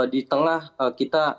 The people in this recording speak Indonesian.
di tengah kita